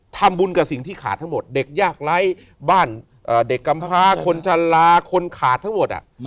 ทำบุญกับสิ่งที่ขาดทั้งหมดเด็กยากไร้บ้านเด็กกำพาคนชะลาคนขาดทั้งหมด